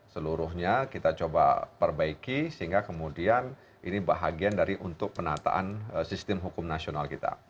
seluruhnya kita coba perbaiki sehingga kemudian ini bahagian dari untuk penataan sistem hukum nasional kita